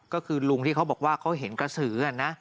ก็คือลุงที่เขาบอกว่าเขาเห็นกระสือนะ